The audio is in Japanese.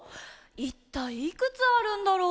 いったいいくつあるんだろう？